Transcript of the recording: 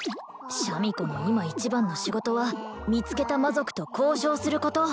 シャミ子の今一番の仕事は見つけた魔族と交渉すること！